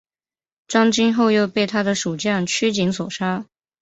张津后又被他的属将区景所杀。